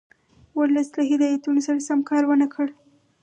ورلسټ له هدایتونو سره سم کار ونه کړ.